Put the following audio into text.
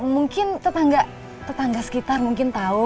mungkin tetangga tetangga sekitar mungkin tahu